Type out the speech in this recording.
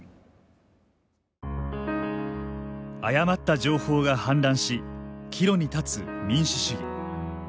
誤った情報が氾濫し岐路に立つ民主主義。